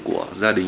của gia đình